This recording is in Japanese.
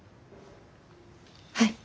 はい！